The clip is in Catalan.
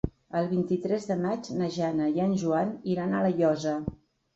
El vint-i-tres de maig na Jana i en Joan iran a La Llosa.